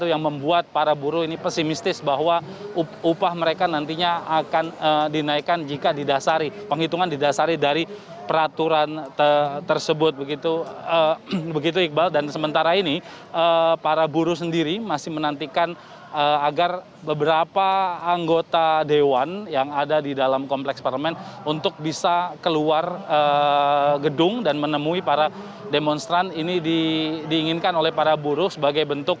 yang membuat para buruh ini pesimistis bahwa upah mereka nantinya akan dinaikkan jika didasari penghitungan didasari dari peraturan tersebut begitu begitu iqbal dan sementara ini para buruh sendiri masih menantikan agar beberapa anggota dewan yang ada di dalam kompleks parmen untuk bisa keluar gedung dan menemui para demonstran ini diinginkan oleh para buruh sebagai bentuk